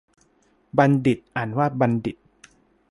บัณฑิต อ่านว่าบันดิด